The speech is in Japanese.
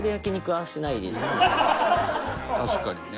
確かにね。